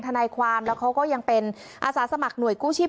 ทนายความแล้วเขาก็ยังเป็นอาสาสมัครหน่วยกู้ชีพ